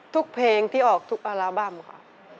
ทุกเพลงที่ออกทุกอลาบัมค่ะ